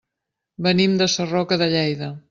Venim de Sarroca de Lleida.